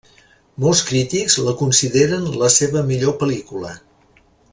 Molts crítics la consideren la seva millor pel·lícula.